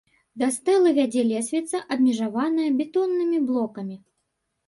Да стэлы вядзе лесвіца, абмежаваная бетоннымі блокамі.